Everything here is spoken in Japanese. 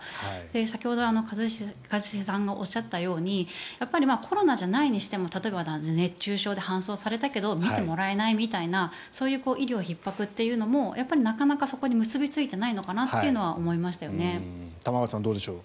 先ほど、一茂さんのおっしゃったようにコロナじゃないにしても例えば熱中症で搬送されたけど診てもらえないみたいな医療ひっ迫というのもやっぱりなかなかそこに結びついていないのかなと思いましたよね。